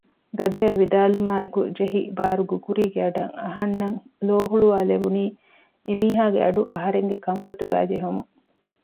ގަދައަށް ވިދާލުމާއެކު ޖެހި ބާރު ގުގުރީގެ އަޑަށް އަހަންނަށް ލޯހުޅުވާލެވުނީ އެމީހާގެ އަޑު އަހަރެންގެ ކަންފަތުގައި ޖެހުމުން